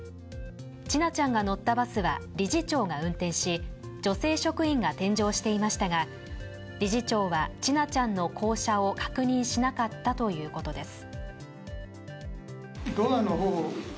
千奈ちゃんが乗ったバスは理事長が運転し女性職員が添乗していましたが、理事長は千奈ちゃんの降車を確認しなかったということです。